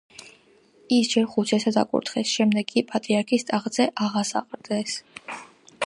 ის ჯერ ხუცესად აკურთხეს, შემდეგ კი პატრიარქის ტახტზე აღასაყდრეს.